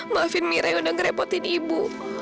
maafin amira yang udah ngerepotin ibu